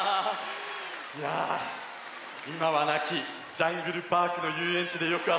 いやいまはなきジャングルパークのゆうえんちでよくあそび。